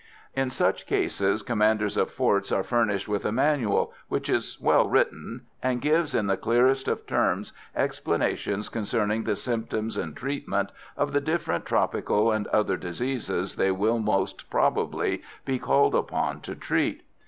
In such cases commanders of forts are furnished with a manual, which is well written, and gives in the clearest of terms explanations concerning the symptoms and treatment of the different tropical and other diseases they will most probably be called upon to treat.